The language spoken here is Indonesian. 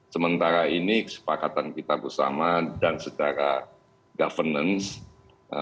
sementara ini kesepakatan kita bersama dan secara governance